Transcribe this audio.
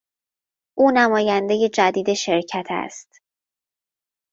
او نمایندهی جدید شرکت است.